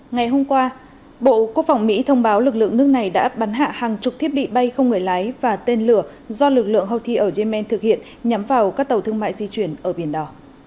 ngày hôm qua bộ quốc phòng mỹ thông báo lực lượng nước này đã bắn hạ hàng chục thiết bị bay không người lái và tên lửa do lực lượng houthi ở yemen thực hiện nhắm vào các tàu thương mại di chuyển ở biển đỏ